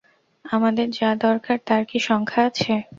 আমাদের যা দরকার তার কি সংখ্যা আছে?